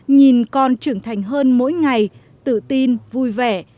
nhìn con trưởng thành hơn mỗi ngày tự tin vui vẻ